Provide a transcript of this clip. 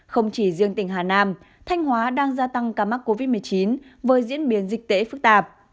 không chỉ riêng tỉnh hà nam thanh hóa đang gia tăng ca mắc covid một mươi chín với diễn biến dịch tễ phức tạp